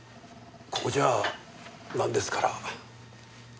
ここじゃあなんですから。